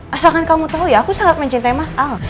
asalkan kamu tahu ya aku sangat mencintai mas al